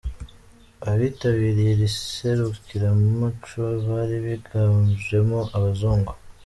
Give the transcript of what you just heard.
Abitabiriye iri serukiramuco bari biganjemo abazungu.